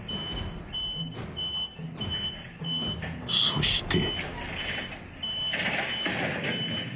［そして］